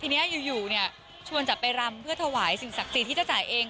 ทีนี้อยู่เนี่ยชวนจะไปรำเพื่อถวายสิ่งศักดิ์สิทธิ์ที่จะจ่ายเอง